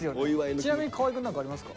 ちなみに河合くん何かありますか？